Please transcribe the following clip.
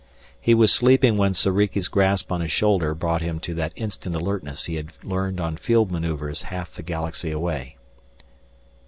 He was sleeping when Soriki's grasp on his shoulder brought him to that instant alertness he had learned on field maneuvers half the Galaxy away.